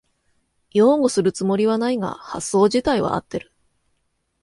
擁護するつもりはないが発想じたいは合ってる